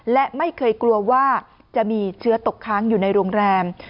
และไม่เคยกลัวว่าจะมีเชื้อตกค้างอยู่ในโรงแรม